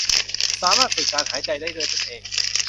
สามารถฝึกการหายใจได้ด้วยตนเอง